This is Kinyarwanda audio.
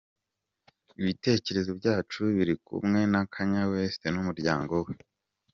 Ibitekerezo byacu biri kumwe na Kanye West n’umuryango we.